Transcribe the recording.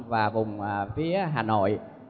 và vùng phía hà nội